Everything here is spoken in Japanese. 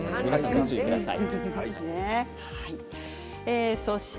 ご注意ください。